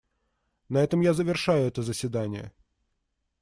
На этом я завершаю это заседание.